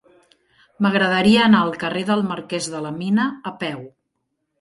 M'agradaria anar al carrer del Marquès de la Mina a peu.